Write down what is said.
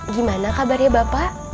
gimana kabarnya bapak